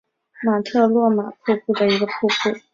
马特诺玛瀑布的一个瀑布。